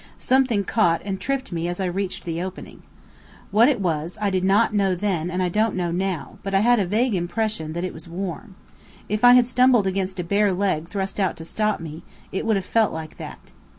Something caught and tripped me as I reached the opening. What it was I did not know then and don't know now, but I had a vague impression that it was warm. If I had stumbled against a bare leg thrust out to stop me, it would have felt like that.